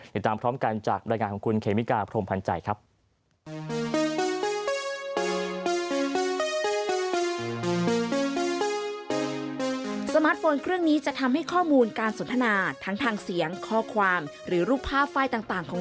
มันสำคัญมากเหมือนกันเพราะเดี๋ยวนี้คนมันถือข้อมูลว่าเยอะเหมือนกัน